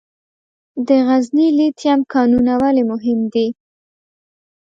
د غزني لیتیم کانونه ولې مهم دي؟